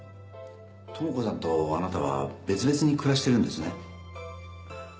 智子さんとあなたは別々に暮らしてるんですね？